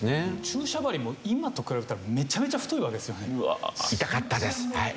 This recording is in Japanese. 注射針も今と比べたらめちゃめちゃ太いわけですよね。